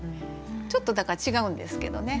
ちょっとだから違うんですけどね。